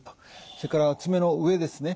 それから爪の上ですね